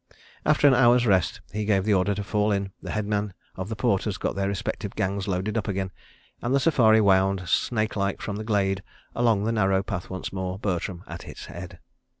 After an hour's rest he gave the order to fall in, the headmen of the porters got their respective gangs loaded up again, and the safari wound snake like from the glade along the narrow path once more, Bertram at its head.